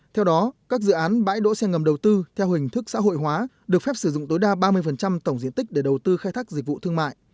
theo đó các dự án bãi đỗ xe ngầm đầu tư theo hình thức xã hội hóa được phép sử dụng tối đa ba mươi tổng diện tích để đầu tư khai thác dịch vụ thương mại